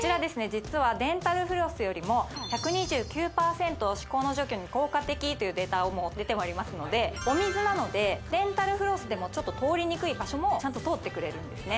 実はデンタルフロスよりも１２９％歯垢の除去に効果的というデータも出ておりますのでお水なのでデンタルフロスでもちょっと通りにくい場所もちゃんと通ってくれるんですね